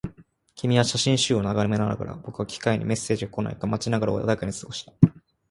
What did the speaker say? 君は写真集を眺めながら、僕は機械にメッセージが来ないか待ちながら穏やかに過ごした